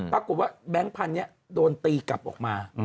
ปรากฏว่าแบงค์พันธุ์เนี่ยโดนตีกลับออกมา